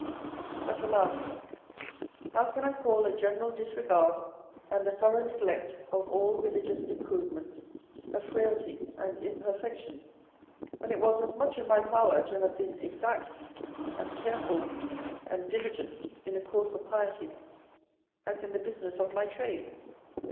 But, alas! how can 1 call a ge neral disregard, and a thorough neglect of all religi ous improvement, a frailty and imperfection ; when it v/as as much in my power to have been exact, and careful, and diligent in a course of piety, as in the business of my trade.